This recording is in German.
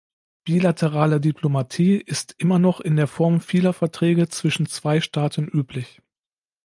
Bilaterale Diplomatie ist immer noch in der Form vieler Verträge zwischen zwei Staaten üblich.